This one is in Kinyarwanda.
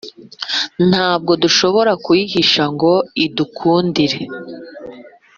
ntabwo dushobora kuyihisha ngo idukundire.